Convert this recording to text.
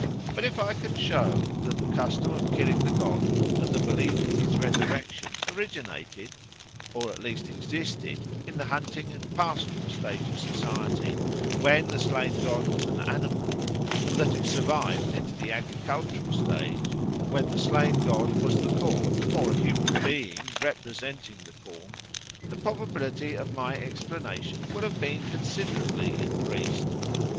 But if I can show that the custom of killing the god and the belief in his resurrection originated, or at least existed, in the hunting and pastoral stage of society, when the slain god was an animal, and that it survived into the agricultural stage, when the slain god was the corn or a human being representing the corn, the probability of my explanation will have been considerably increased.